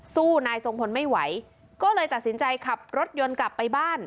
สู้นายทรงพลไม่ไหวก็เลยตัดสินใจขับรถยนต์กลับไปบ้าน